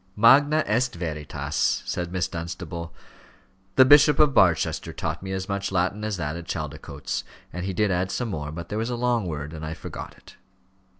"Magna est veritas," said Miss Dunstable. "The Bishop of Barchester taught me as much Latin as that at Chaldicotes; and he did add some more, but there was a long word, and I forgot it."